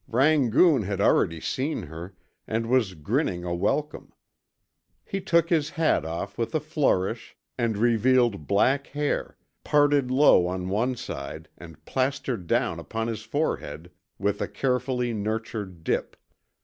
Rangoon had already seen her, and was grinning a welcome. He took his hat off with a flourish and revealed black hair, parted low on one side and plastered down upon his forehead with a carefully nurtured dip.